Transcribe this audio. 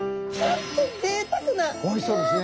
おいしそうですね。